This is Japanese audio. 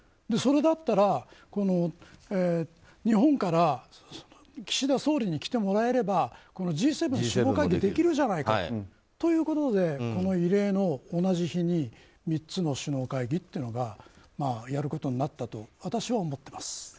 それだったら、日本から岸田総理に来てもらえればＧ７首脳会議できるじゃないかと。ということでこの異例の同じ日に３つの首脳会談というのがやることになったと私は思ってます。